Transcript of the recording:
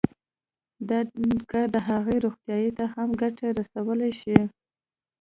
دا کار د هغې روغتيا ته هم ګټه رسولی شي